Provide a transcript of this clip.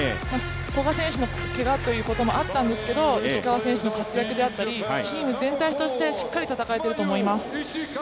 古賀選手のけがということもあったんですけれども石川選手の活躍であったりチーム全体として、しっかり戦えていると思います。